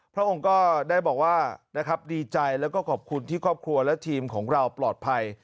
พระองค์ก็ได้บอกว่านะครับดีใจแล้วก็ขอบคุณที่ครอบครัวและทีมของเราปลอดภัย